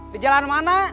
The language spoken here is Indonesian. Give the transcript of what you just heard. di jalan mana